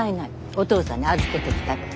お父さんに預けてきたから。